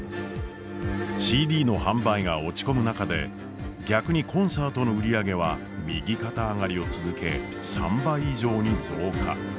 ＣＤの販売が落ち込む中で逆にコンサートの売り上げは右肩上がりを続け３倍以上に増加。